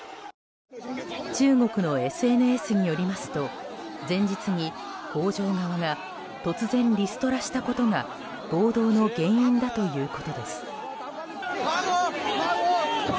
中国のＳＮＳによりますと前日に、工場側が突然リストラしたことが暴動の原因だということです。